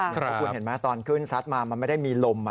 เพราะคุณเห็นไหมตอนขึ้นซัดมามันไม่ได้มีลม